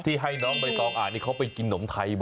ให้น้องใบตองอ่านนี่เขาไปกินหนมไทยบ่อย